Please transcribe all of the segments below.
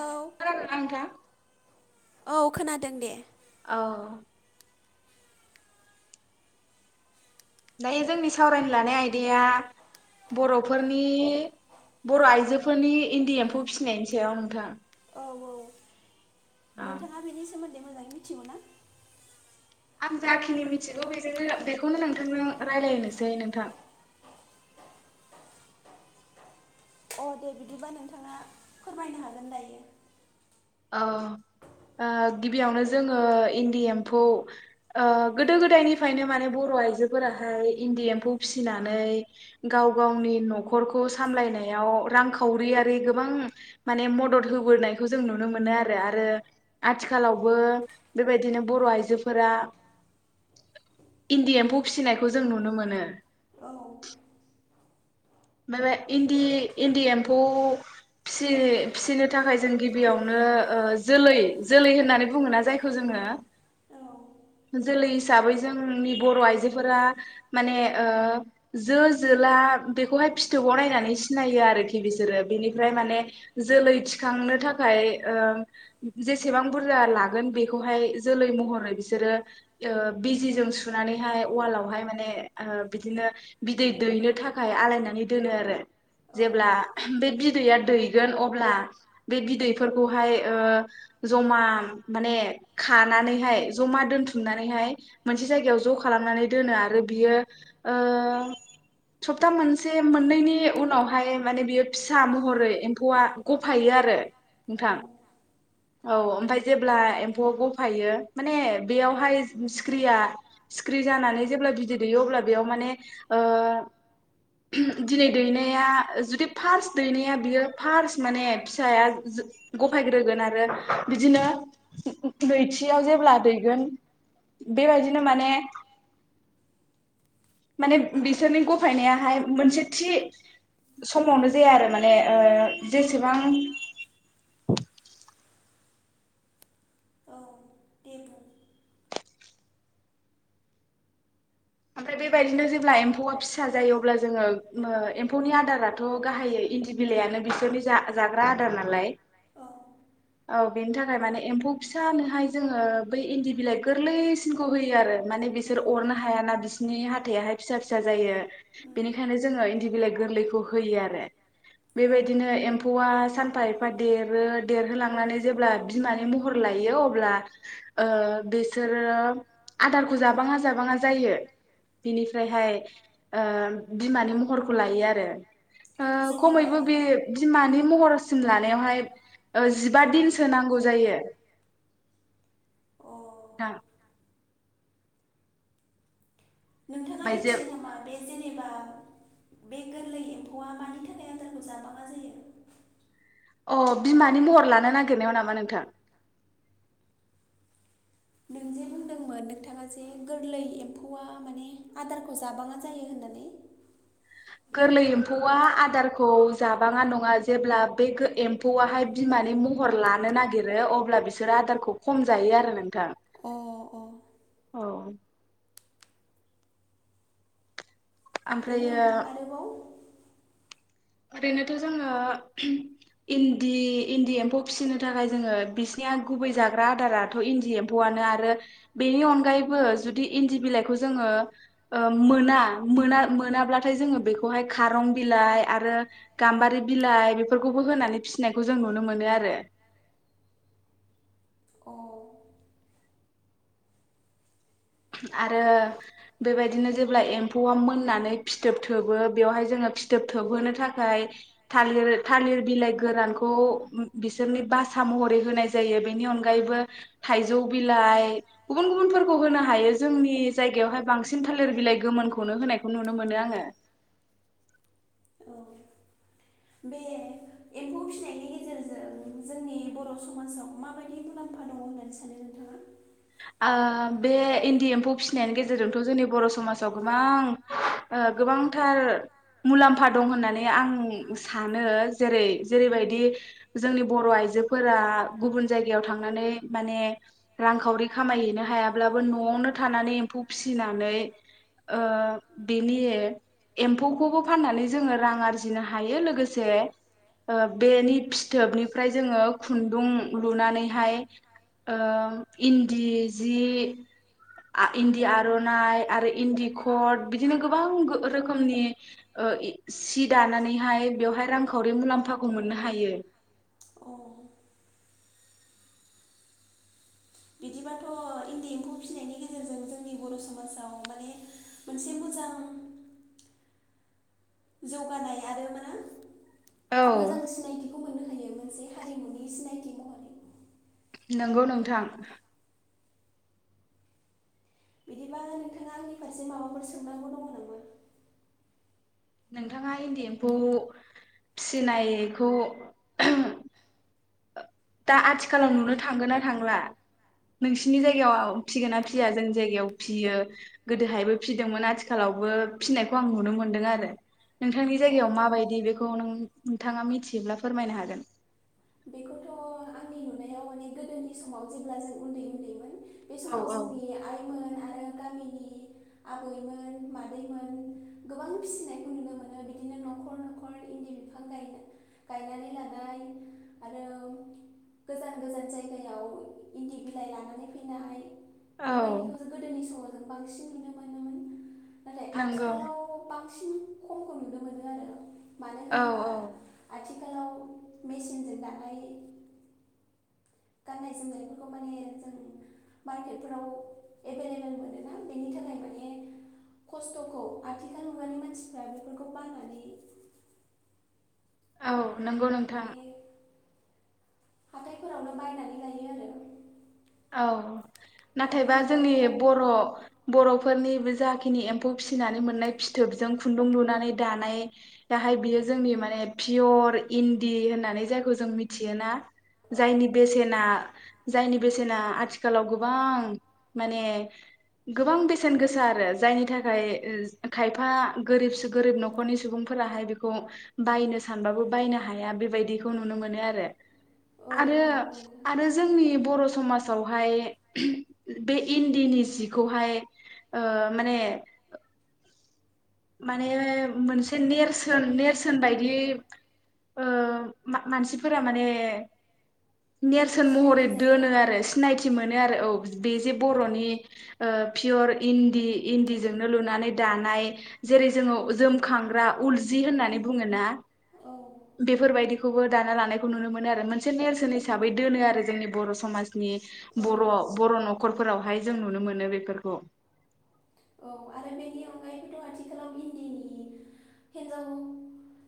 औ खोनादों ना नोंथां? औ खोनादों दे औ दायो जोंनि सावरायनो लानाय आयदाया बर'फोरनि बर' आइजोफोरनि इन्दि एम्फौ फिसिनायनि सायाव नोंथां औ औ नोंथाङा आं बेनि सोमोन्दै मोजाङै मिथिगौना? आं जाखिनि मिथिगौ बेजोंनो बेखौनो नोंथांजों रायलायनोसै नोंथां अ दे बिदिब्लाा नोंथाङा फोरमायनो हागोन दायो अ गिबियावनो जोङो इन्दि एम्फौ ओ गोदो गोदायनिफ्रायनो माने बर' आइजोफोराहाय इन्दि एम्फौ फिसिनानै गाव गावनि न'खरखौ सामलायनायाव रांखावरियारि गोबां माने मदद होबोनायखौ जों नु नुनो मोनो आरो आरो आथिखालावबो बेबायदिनो बर' आइजोफोरा इन्दि एम्फौ फिसिनायखौ जों नुनो मोनो औ ओमफाय बे इन्दि इन्दि एम्फौ फिसि-फिसिनो थाखाय जों गिबियावनो जोलै जोलै होननानै बुङोना जायखौ जोङो औ जोलै हिसाबै जोंनि बर' आइजोफोरा माने ओ जो जोला बेखौहाय फिथोबाव नायनानै सिनायो आर बिसोरो बेनिफ्राय माने जोलै थिखांनो थाखाय जेसेबां बुरजा लागोन बेखौहाय जोलै महरै बिसोरो बिजिजों सुनानैहाय वालावहाय माने बिदिनो बिदै दैनो थाखाय आलायनानै द दोनो आरो औ जेब्ला बे बिदैया दै दैगोन अब्ला बे बिदैफोरखौहाय ओ जमा माने खानानैहाय जमा दोन्थुमनानैहाय मोनसे जायगायाव ज' खालामनानै दोनो आरो बियो ओ सपथा मोनसे से मोननैनि उनावहाय माने बियो फिसा महरै एम्फौआ गफायो आरो औ नोंथां औ ओमफफ्राय जेब्ला एम्फौआ गफायो माने बेयावहाय सिख्रिया सिख्रि जानानै जेब्ला बिदै दैयो अब्ला बेयाव माने ओ दिनै दैनाया जुदि फार्स्ट दैनाया बियो फार्स्ट माने फिसाया जो गफायग्रोगोन आरो बिदिनो नैथियाव जेब्ला दैगोन बेबायदिनो माने माने बिसोरनि गफायनायाहाय मोनसे थि समावनो जाया आरो माने ओ जेसेबां औ दे बुं औ ओमफ्राय बेबायदिनो जेब्ला एम्फौआ फिसा जायो अब्ला जोङो ओ एम्फौनि आदाराथ' गाहायो इन्दि बिलाइानो बिसोरनि जा जाग्रा आदार नालाय औ बेनि थाखाय माने एम्फौ फिसा होनानोहाय जोङो बै इन्दि बिलाइ गोरलैसिनखौ होयो आरो माने बिसोर अरनो हायााना हाथायाहाय फिसा फिसा जायो जायो बेनिखायनो जोङो इन्दि बिलाइ गोरलैखौ होयो आरो बेबायदिनो एम्फौआ सानफा एफा देरो देरहोलांनानै जेब्ला बिमानि महर लायो अब्ला ओ बेसोरो आदारखौ जाबाङा जाबाङा जायो बिनिफ्रायहाय बिमानि महरखौ लायो आरो ओ जेनेबा खमैबो बे बयबो बिमानि महरसिम लानायावहाय जिबा दिनसो नांगौ जायो अ थां नोंथाङा ओमफ्राय जे मिथियो नामा बे जेनेबा बे गोरलै एम्फौआ मानि थाखायोनाय आदारखौ जाबाङा जायो? अ बिमानि महर लानो नागिरनायाव नामा नोंथां? नों जे बुंदोंमोन नोंथाङा जे गोरलै एम्फौआ माने आदारखौ जाबाङा जायो होननानै। गोरलै एम्फौआ आदारखौ जाबाङा नङा जेब्ला बे एम्फौआहाय बिमानि महर लानो नागिरो अब्ला बिसोरो आदारखौ खम जायो आरो नोंथां। अ अ औ [unintelligible] बेनि ओमफ्रायो अन आरोबाव ओरैनोथ' जोङो इन्दि इन्दि एम्फौ फिसिनो थाखाय जोङो बिसिनिया गुबै जाग्रा आदाराथ' इन्दि एम्फौआनो आरो बेनि अनगायैबो जुदि इन्दि बिलाइखौ जोङो मोना मोना मोनाब्लाथाय जोङो बेखौहाय खारं बिलाइ आरो गाम्बारि बिलाइ बेफोरखौबो होनानै फिसिनायखौ जों नुनो मोनो आरो अ औ आरो बेबायदिनो जेब्ला एम्फौआ मोननानै फिथोब थोबो बेवहाय जोङो फिथोब थोबहोनो थाखाय थालिर थालिर बिलाइ गोरानखौ बिसोरनि बासा महरै होनाय जायो बेनि अनगायैबो थाइजौ बिलाइ गुबुन गुबुनफोरखौ होनो हायो जोंनि जायगायावहाय बांसिन थालिर सिलाइ गोमोनखौनो होनायखौ नुनो मोनो आङो। [inaudible] औ बे एम्फौ फिनायनि गेजेरजों जोंनि बर' समाजाव माबायदि मुलाम्फा दङ होननानै सानो नोंथाङा? ओ बे इन्दि एम्फौ फिसिनायनि गेजेरजोंथ' जोंनि बर' समाजाव गोबां ओ गोबांथार मुलाम्फा दं होननानै आं सानो जेरै जेरैबायदि जोंनि बर' आइजोफोरा गुबुन जायगायाव थांनानै माने रांखावरि खामायहैनो हायाब्लाबो न'आवनो थानानै एम्फौ फिसिनानै ओ बेनि एम्फौखौबो फाननानै जोङो रां आरजिनो हायो लोगोसे ओ बेनि फिथोबनिफ्राय जोङो खुन्दुं लुनानैहाय ओ इ न्दि जि आ इन्दि आर'नाइ आरो इन्दि कट बिदिनो गोबां गो रोखोमनि ओ सि दानानैहाय बेवहाय रांखावरि मुलाम्फाखौ मोननो हायो। अ बिदिबाथ' इन्दि एम्फौ फिसिनायनि गेजेरजों जोंनि बर' समाजाव माने मोनसे मोजां जौगानाय आरो मा औ मोजां सिनायथि बुंनो हायो मोनसे हारिमुनि सिनायथि महरै। नोंगौ नोंथां। बिदिब्ला नोंथाङा आंनि फारसे माबाफोर सोंनांगौ दङ नामा? नोंथाङा इन्दि एम्फौ फिसिनाय खौ [unintelligible] दा आथिखालाव नुनो थांगोन ना थांला नोंसिनि जायगायाव फिगोन ना फिया? जोंनि जायगायाव फियो गोदोहायबो फिदोंमोन आथिखालावबो फिनायखौ आं नुनो मोनदों आरो नोंथांनि जायगायाव दङ माबायदि नामा बेखौ अ नों-नोंथाङा मिथियोब्ला फोरमायनो हागोन। बेखौथ' आंनि नुनायाव माने गोदोनि समाव जेब्ला जों उन्दै उन्दैमोन बे औ समाव औ जोंनि आइमोन आरो गामिनि आबैमोन मादैमोन गोबां फिसिनायखौ नुनो मोनो बिदिनो न'खर न'खर इन्दि बिफां गाय-गायनानै लानाय आरो गोजान गोजान जायगायाव इन्दि बिलाइ लानानै फैनाय औ बेबायदिखौ जों गोदोनि समाव बांसिन नुनो मोनोमोन। नाथाय नंगौ आथिखालाव बां सिन खमखौ नुनो मोनो आरो। मानो औ होनोबा आथि खालाव मेचिनजों दानाय गाननाय जोमनायफोरखौ माने जों मार्केटफोराव एभेलेबेल मोनोना बेनि थाखाय माने खस्थ'खौ आथिखाल मुगानि मानसिफ्रा बेफोरखौ बायनानै औ नोंगौ नोंथां। हाथायफोरावनो बायनानै लायो आरो। औ दानि नाथायबा जोंनि मुगायाव बर' बर' फोरनिबो जाखिनि एम्फौ फिसिनानै मोननाय फिथोबजों खुन्दुं लुनानै दानाय दाहाय बियो जोंनि माने पियर इन्दि होननानै जायखौ जों मिथियोना औ जायनि बेसेना जायनि बेसेना आथिखालाव गोबां माने गोबां बेसेन गोसा आरो जायनि थाखाय ओ खायफा गोरिब-सु गोरिब न'खरनि सुबुंफोराहाय बेखौ बायनो सानबाबो बायनो हाया बेबायदिखौ नुनो मोनो आरो। औ आरो औ नंगौ आरो जोंनि बर' सुब समाजावहाय उहम बे इन्दिनि जिखौहाय ओ माने माने मोनसे नेरसोन नेरसोन बायदि ओ मानसिफोरा माने नेरसोन महरै सिनायथि जायो दोनो आरो माने सिनायथि मोनो। बेनो आरो औ बे जे बर'नि पियर इन्दि इन्दिजोंनो लुनानै दानाय जेरै जोङो जोमखांग्रा उलजि होननानै बुङो ना औ बेफोरबायदिखौबो दाना लानायखौ नुनो मोनो आरो मोनसे नेरसोन हिसाबै दोनो आरो जोंनि बर' समाज नि औ बर' बर' न'खर फोरावहाय जों नुनो मोनो बेफोरखौ। औ आरो बेनि अनगायैबोथ' आथिखालाव इनदिनि हिन्जाव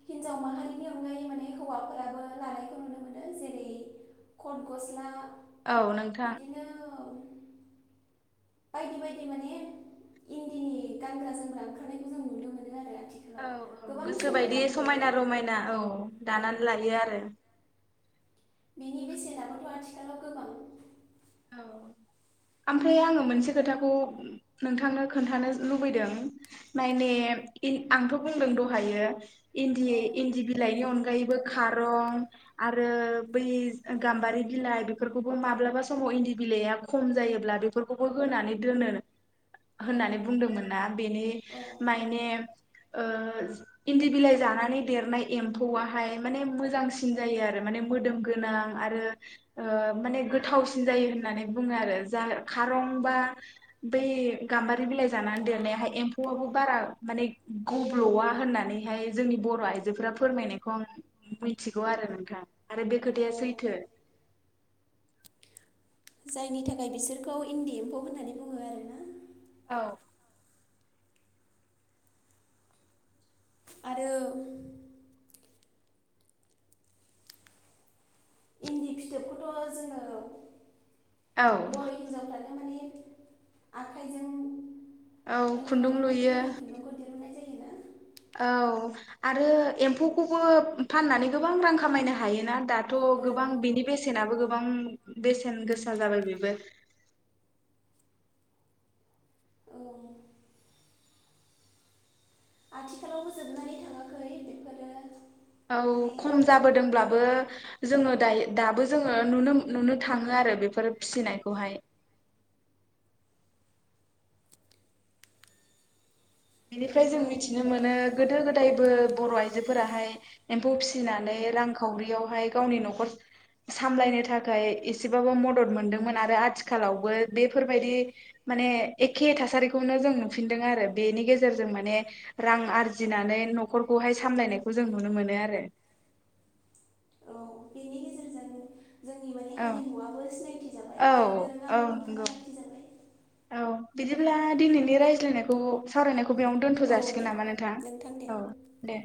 हिन्जाव माहारिनि अनगायै माने हौवाफोराबो लानायखौ नुनो मोनो जेरै कट गस्ला औ नोंथां बिदिनो बायदि बायदि माने इन्दिनि गानग्रा जोमग्रा ओंखारनायखौ जों नुनो मोनो आरो आथिखालाव औ औ गोबां गोसो बायदि समायनाबो नुयो समायना रमायना औ औ दानानै लायो आरो बेनि बेसेनाबोथ' आथिखालाव गोबां ओमफ्राय आङो मोनसे खोथाखौ नोंथांनो खोन्थानो लुबैदों मायने आंथ' बुंदों दहायो इन्दि औ इन्दि बिलाइनि अनगायै बो खारां आरो बै गाम्बारि बिलाइ माब्लाबा समाव समाव इन्दि बिलाइआ खम जायोब्ला बेफोरखौबो होनानै दोनो होननानै औ बुंदोंमोन ना बिनि औ मायने ओ इन्दि बिलाइ जानानै देरनाय एमफौवाहाय माने मोजांसि जायो आरो माने मोदोम गोनां आरो ओ माने गोथावसिन जायो होननानै बुङो आरो जा खारं बा बै गाम्बारि बिलाइ जानानै देरनायाहाय एम्फौआबो बारा माने गब्ल'वा होननानैहाय जोंनि बर' आइजोफोरा फोरमायनायखौ आं मिथिगौ आरो नोंथां। आरो बे खोथाया औ सैथो जायनि थाखाय बिसोरखौ इन्दि एम्फौ होननानै बुङो आरोना औ आरो थ' जोङो औ बर' हिनजावफ्रानो माने आखाइजों औ खुन्दुं लुयो मोननाय जायोना? औ आरो एम्फौखौबो फाननानै गोबां रां खामायनो हायोना दा थ' औ गोबां बेसेन बेसेनाबो गोबां बेसेन गोसा जाबाय बेबो औ आथिखालावबो जोबनानै थाङाखै बेफोरो औ माने खम जाबोदोंब्लाबो जोङो दायो दाबो जोङो नुनो नुनो थाङो आरो बेफोर फिसिनायखौहाय। बेनिफ्राय जों नंगौ मिथिनो मोनो गोदो गोदायबो बर' आइजोफोराहाय एम्फौ फिसिनानै रांखावरियावहाय गावनि न'खर सामलायनो थाखाय एसेबाबो मदद मोनदोंमोन आरो आथिखालावबो बेफोरबायदि माने एखे थासारिखौनो जों नुफिनदों आरो बेनि गेजेर गेजेरजों माने रां आरजिनानै न'खरखौहाय सामलायनायखौ जों नुनो मोनो आरो औ बेनि गेजेरजों जोंनि बायदि औ हारिमुवाबो सिनायथि औ जाबाय आरो औ दोरोङाबो हमथाना नंगौ लाखिजाबाय। औ बिदिब्ला दिनैनि रायज्लायनायखौ सावरायनायखौ बेयावनो दोनथ' औ जासिगोन दे नामा नोंथां? औ दे।